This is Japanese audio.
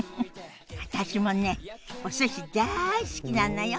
私もねお寿司だい好きなのよ。